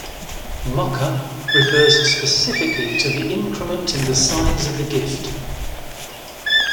Moka refers specifically to the increment in the size of the gift.